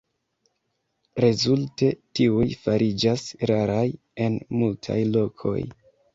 Rezulte tiuj fariĝas raraj en multaj lokoj.